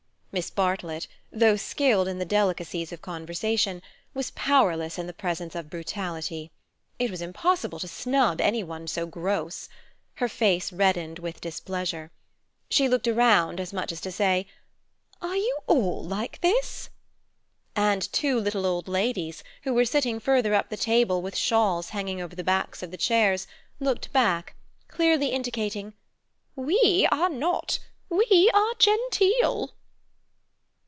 Miss Bartlett, though skilled in the delicacies of conversation, was powerless in the presence of brutality. It was impossible to snub any one so gross. Her face reddened with displeasure. She looked around as much as to say, "Are you all like this?" And two little old ladies, who were sitting further up the table, with shawls hanging over the backs of the chairs, looked back, clearly indicating "We are not; we are genteel."